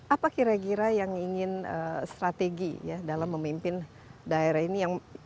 apa kira kira yang ingin strategi ya dalam memimpin daerah ini